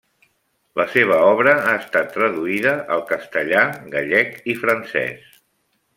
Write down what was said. La seva obra ha estat traduïda al castellà, gallec i francès.